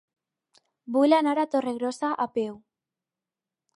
Vull anar a Torregrossa a peu.